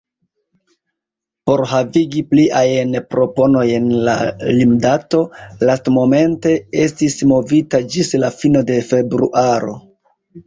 Por havigi pliajn proponojn la limdato lastmomente estis movita ĝis la fino de februaro.